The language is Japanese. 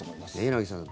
柳澤さん